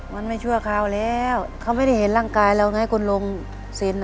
มันไม่ชั่วคราวแล้วเขาไม่ได้เห็นร่างกายเรานะคุณลงเซ็น